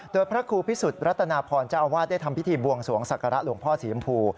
โดยพระครูพิสุทธิรัตนาพรเจ้าอาวาสได้ทำพิธีบวงสวงศักระหลวงพ่อสีชมพู